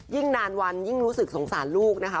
นานวันยิ่งรู้สึกสงสารลูกนะคะ